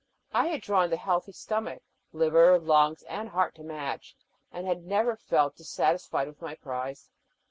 I had drawn the healthy stomach liver, lungs, and heart to match and had never felt dissatisfied with my prize.